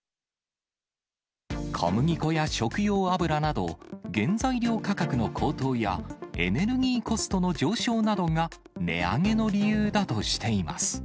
小麦粉や食用油など、原材料価格の高騰や、エネルギーコストの上昇などが値上げの理由だとしています。